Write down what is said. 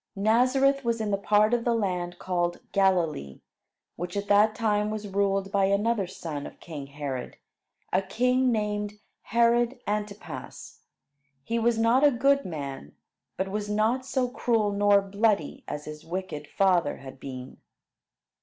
Nazareth was in the part of the land called Galilee, which at that time was ruled by another son of king Herod, a king named Herod Antipas. He was not a good man, but was not so cruel nor bloody as his wicked father had been.